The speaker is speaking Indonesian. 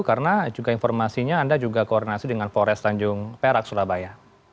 karena juga informasinya anda juga koordinasi dengan forest tanjung perak surabaya